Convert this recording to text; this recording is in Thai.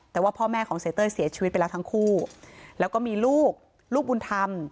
แต่ว่าพ่อแม่ของเสียเต้ยเสียชีวิตไปแล้วทั้งคู่แล้วก็มีลูกลูกบุญธรรม